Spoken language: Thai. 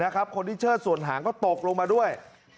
คนที่เชิดส่วนหางก็ตกลงมาด้วย